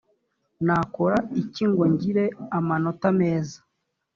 nakora iki ngo ngire amanota meza